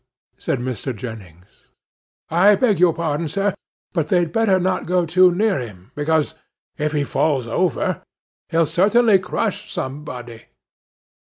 said Mr. Jennings. 'I beg your pardon, sir; but they'd better not go too near him, because, if he falls over, he'll certainly crush somebody.